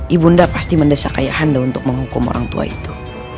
ibunda pasti mendesak ayah anda untuk menghukum orang tua itu